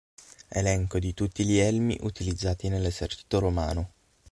Elenco di tutti gli elmi utilizzati nell'esercito romano